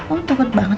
oh takut banget